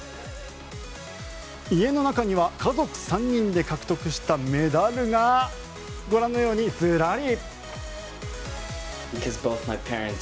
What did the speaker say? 家の中には家族３人で獲得したメダルがご覧のようにずらり。